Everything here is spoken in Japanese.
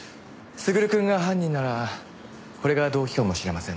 優くんが犯人ならこれが動機かもしれませんね。